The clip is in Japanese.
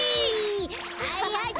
はいはいわ！